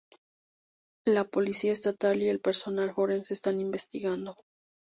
La policía estatal y el personal forense están investigando.